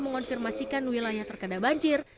mengonfirmasikan wilayah terkena banjir